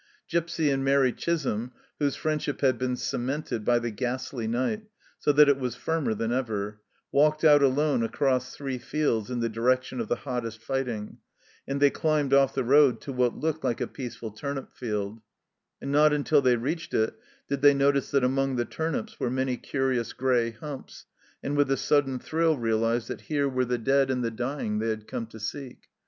Gipsy and Mairi Chisholm, whose friendship had been cemented by the ghastly night, so that it was firmer than ever, walked out alone across three fields in the direction of the hottest fighting, and they climbed off the road to what looked like a peaceful turnip field; and not until they reached it did they notice that among the turnips were many curious grey humps, and with a sudden thrill realized that here were the dead THE FIELD OF MERCY 39 and the dying they had come to seek.